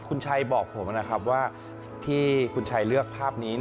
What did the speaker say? คุณชัยบอกผมนะครับว่าที่คุณชัยเลือกภาพนี้